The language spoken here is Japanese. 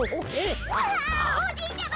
あおじいちゃま！